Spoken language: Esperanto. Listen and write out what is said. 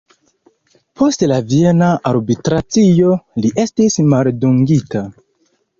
Post la viena arbitracio li estis maldungita.